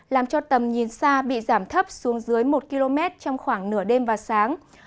làm cho tầm nhìn xa bị giảm thấp xuống dưới một km trong khoảng nửa đêm và sáng